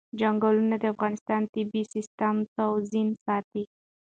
چنګلونه د افغانستان د طبعي سیسټم توازن ساتي.